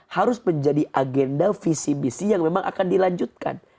harus menjadi agenda visi misi yang memang akan dilanjutkan